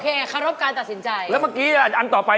เคารพการตัดสินใจแล้วเมื่อกี้อ่ะอันต่อไป